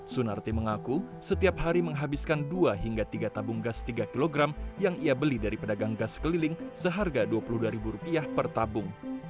sunarti mengaku setiap hari menghabiskan dua hingga tiga tabung gas tiga kg yang ia beli dari pedagang gas keliling seharga rp dua puluh dua per tabung